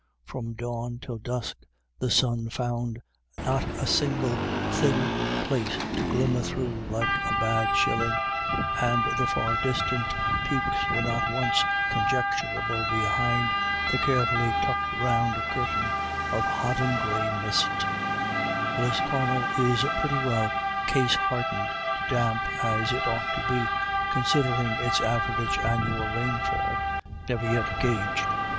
From dawn till dusk the sun found not a single thin place to glimmer through like a bad shilling, and the far distant peaks were not once conjecturable behind the carefully tucked round curtain of hodden grey mist Lisconnel is pretty well case hardened to damp, as it ought to be, considering its average annual rainfall — never yet gauged.